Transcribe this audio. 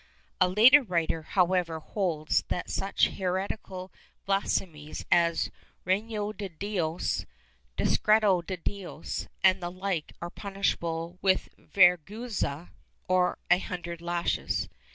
^ A later writer, how ever, holds that such heretical blasphemies as ''reniego dc Dios," "descreo de Dios" and the hke are punishable with vergiienza or a hundred lashes.